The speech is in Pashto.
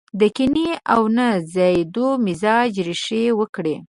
د کينې او نه ځايېدو مزاج ريښې وکړي.